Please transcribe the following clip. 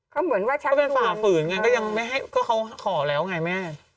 เขาเหมือนว่าเขาเป็นฝ่าฝืนไงก็ยังไม่ให้ก็เขาขอแล้วไงแม่